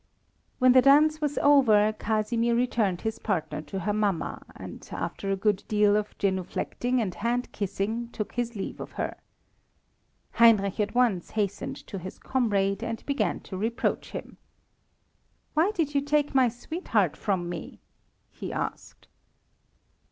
When the dance was over, Casimir returned his partner to her mamma, and after a good deal of genuflecting and hand kissing, took his leave of her. Heinrich at once hastened to his comrade and began to reproach him. "Why did you take my sweetheart from me?" he asked.